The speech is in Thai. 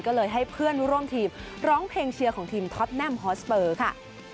ก็เลยให้เพื่อนร่วมทีมร้องเพลงเชียร์ของทีมท็อตแนมฮอสเปอร์ค่ะ